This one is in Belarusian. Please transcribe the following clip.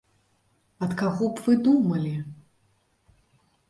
Ад каго б вы думалі?